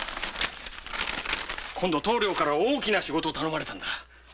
棟梁から大きな仕事を頼まれたんだ。